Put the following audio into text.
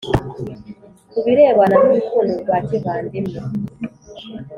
Ku birebana n urukundo rwa kivandimwe